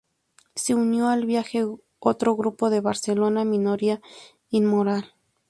Se unió al viaje otro grupo de Barcelona, Minoría Inmoral.